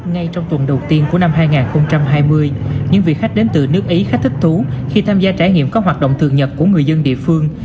ngay trong tuần đầu tiên của năm hai nghìn hai mươi những vị khách đến từ nước ý khá thích thú khi tham gia trải nghiệm các hoạt động thường nhật của người dân địa phương